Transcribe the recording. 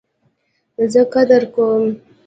زه قدر کوم